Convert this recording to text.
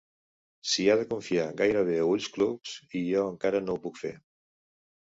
S'hi ha de confiar gairebé a ulls clucs, i jo encara no ho puc fer.